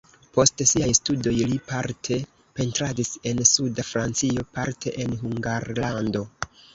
Post siaj studoj li parte pentradis en suda Francio, parte en Hungarlando.